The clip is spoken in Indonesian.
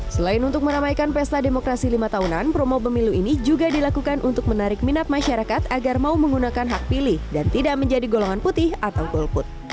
selain untuk meramaikan pesta demokrasi lima tahunan promo pemilu ini juga dilakukan untuk menarik minat masyarakat agar mau menggunakan hak pilih dan tidak menjadi golongan putih atau golput